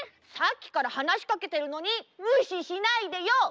さっきからはなしかけてるのにむししないでよ。